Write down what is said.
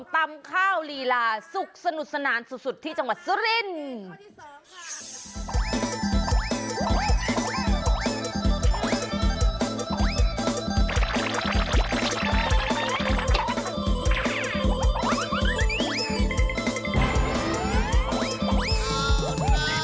ตำข้าวลีลาสุขสนุกสนานสุดที่จังหวัดสุรินทร์